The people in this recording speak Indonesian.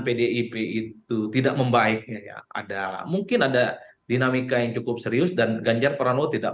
pdip itu tidak membaik ada mungkin ada dinamika yang cukup serius dan ganjar pranowo tidak